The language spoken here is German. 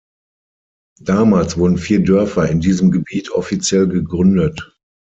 Damals wurden vier Dörfer in diesem Gebiet offiziell gegründet.